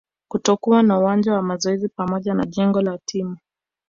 kutokuwa na uwanja wa mazoezi pamoja na jengo la timu